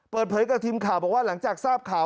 เปิดเผยกับทีมข่าวบอกว่าหลังจากทราบข่าว